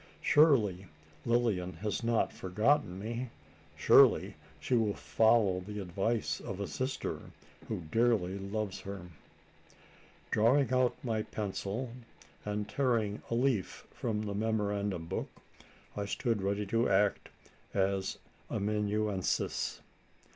Surely Lilian has not forgotten me? Surely she will follow the advice of a sister who dearly loves her?" Drawing out my pencil, and tearing a leaf from the memorandum book, I stood ready to act as amanuensis.